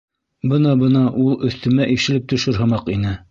Бына-бына ул өҫтөмә ишелеп төшөр һымаҡ ине.